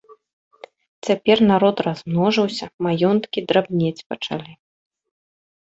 Цяпер народ размножыўся, маёнткі драбнець пачалі.